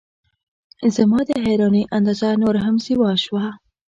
زما د حیرانۍ اندازه نوره هم سیوا شوه.